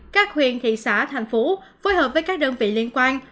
các huyền thị xã thành phố phối hợp với các đơn vị liên quan